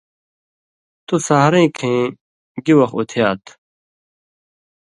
تُو سَحرَئیں کھئیں گِی وَخ اُتھیات؟